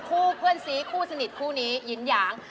เพื่อนซีคู่สนิทคู่นี้ยิ้มหยาง